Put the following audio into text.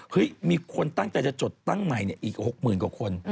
เห้ยมีคนตั้งใจจะจดตั้งใหม่เนี่ยอีกหกหมื่นกว่าคน